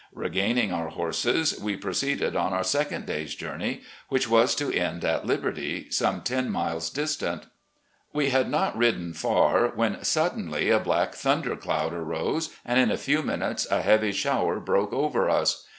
Regaining our horses, we proceeded on otu* second day's journey, which was to end at Liberty, some ten miles distant. " We had not ridden far, when suddenly a black thun der cloud arose and in a few minutes a heavy shower broke over us.